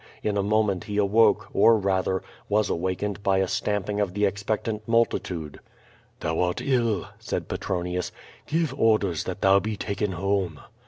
In a* moment he awoke, or, rather, was awakened by a stamping oi\the expectant mul titude. "Thou art ill," said Petronius; "give orde!is that thou be taken home."